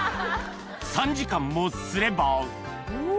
３時間もすればお！